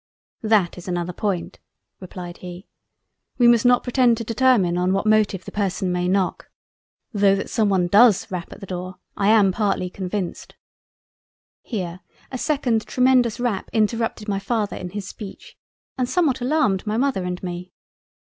"That is another point (replied he;) We must not pretend to determine on what motive the person may knock—tho' that someone does rap at the door, I am partly convinced." Here, a 2d tremendous rap interrupted my Father in his speech, and somewhat alarmed my Mother and me.